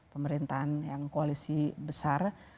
pemerintahan yang koalisi besar